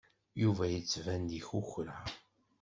Yuba yettban-d ikukra.